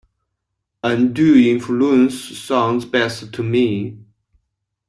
Undue influence sounds best to me.